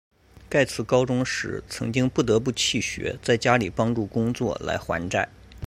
盖茨高中时曾经不得不弃学在家里帮助工作来还债。